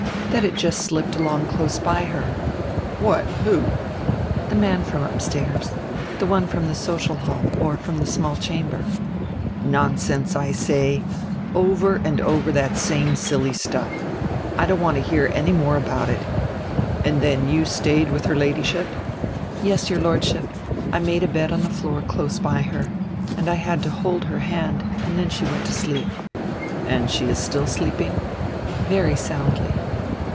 "That it just slipped along close by her." "What? Who?" "The man from upstairs. The one from the social hall or from the small chamber." "Nonsense, I say. Over and over that same silly stuff. I don't want to hear any more about it And then you stayed with her Ladyship?" "Yes, your Lordship. I made a bed on the floor close by her. And I had to hold her hand, and then she went to sleep." "And she is still sleeping?" "Very soundly."